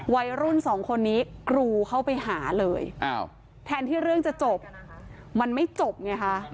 วัยรุ่นสองคนนี้กรูเข้าไปหาเลยแทนที่เรื่องจะจบมันไม่จบไงคะ